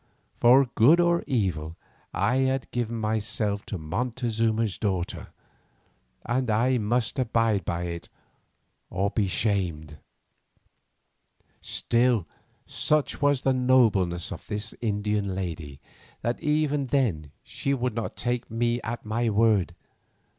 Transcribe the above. For good or evil I had given myself to Montezuma's daughter, and I must abide by it or be shamed. Still such was the nobleness of this Indian lady that even then she would not take me at my word.